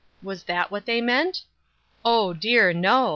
Was that what they meant? Oh, dear, no!